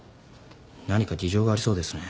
何か事情がありそうですね。